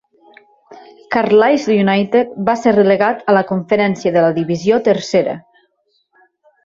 Carlisle United va ser relegat a la Conferència de la Divisió III.